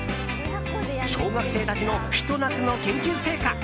小学生たちの、ひと夏の研究成果。